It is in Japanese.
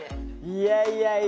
いやいやいや。